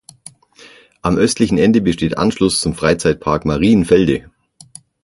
Am östlichen Ende besteht Anschluss zum Freizeitpark Marienfelde.